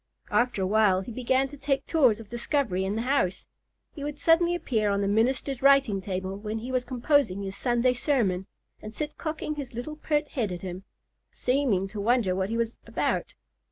After a while he began to make tours of discovery in the house. He would suddenly appear on the minister's writing table when he was composing his Sunday sermon, and sit cocking his little pert head at him, seeming to wonder what he was about.